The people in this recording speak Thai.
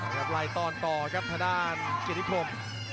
ก็เล่าตอนกันต่อครับทะด้านเกียรติคม